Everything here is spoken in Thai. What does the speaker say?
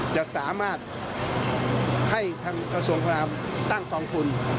จะสามารถให้ทางกระทรวงพระรามตั้งกองทุน